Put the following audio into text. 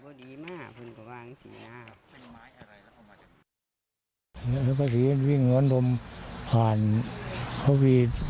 เป็นไม้อะไรแล้วคงมาจับ